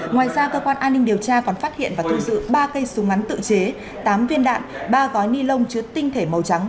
ngoài ra cơ quan an ninh điều tra còn phát hiện và thu giữ ba cây súng ngắn tự chế tám viên đạn ba gói ni lông chứa tinh thể màu trắng